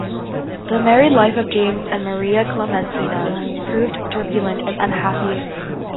The married life of James and Maria Clementina proved turbulent and unhappy.